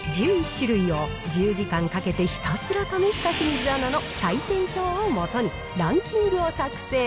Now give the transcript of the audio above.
１１種類を１０時間かけてひたすら試した清水アナの採点表を基に、ランキングを作成。